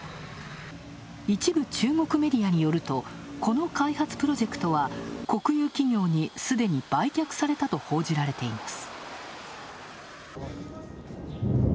一部、中国メディアによるとこの開発プロジェクトは国有企業に、すでに売却されたと報じられています。